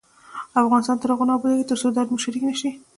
افغانستان تر هغو نه ابادیږي، ترڅو درد مو شریک نشي.